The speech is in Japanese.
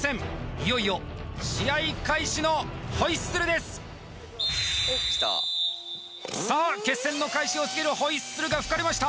いよいよ試合開始のホイッスルですさあ決戦の開始を告げるホイッスルが吹かれました